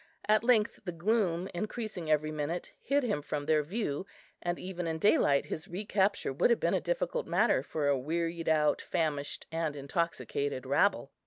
At length the gloom, increasing every minute, hid him from their view; and even in daylight his recapture would have been a difficult matter for a wearied out, famished, and intoxicated rabble.